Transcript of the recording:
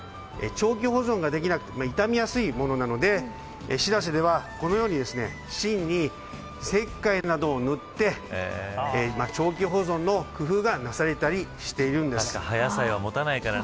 長期保存ができなくて傷みやすいものなのでしらせでは、このように芯に石灰などを塗って長期保存の工夫がなされたりしているんです。